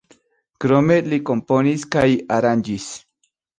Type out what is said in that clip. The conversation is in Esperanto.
Krome li komponis kaj aranĝis.